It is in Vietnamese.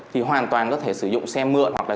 thì hoàn toàn có thể sử dụng xe mượn